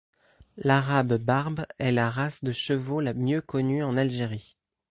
L'Arabe-barbe est la race de chevaux la mieux connue en Algérie.